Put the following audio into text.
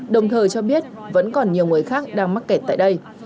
đồng thời cho biết vẫn còn nhiều người khác đang mắc kẹt tại đây